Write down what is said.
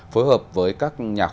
phối hợp với các cơ quan chức năng